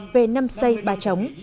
về năm xây ba chống